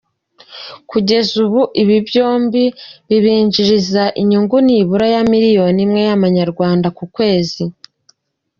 Kugeza ubu ibi byombi bibinjiriza inyungu nibura ya miliyoni imwe y’Amanyarwanda kukwezi.